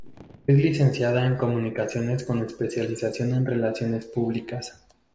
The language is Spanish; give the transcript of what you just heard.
Es Licenciada en Comunicaciones con especialización en Relaciones Públicas.